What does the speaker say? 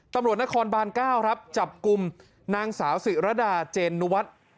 ตำรวจนครบาน๙ครับจับกลุ่มนางสาวศิรดาเจนนุวัฒน์